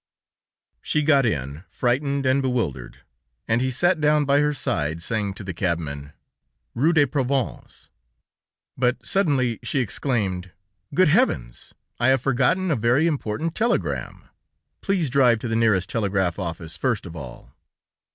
She got in, frightened and bewildered, and he sat down by her side, saying to the cabman: "Rue de Provence." But suddenly she exclaimed: "Good heavens! I have forgotten a very important telegram; please drive to the nearest telegraph office first of all."